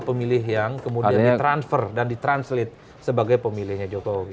pemilih yang kemudian di transfer dan di translate sebagai pemilihnya jokowi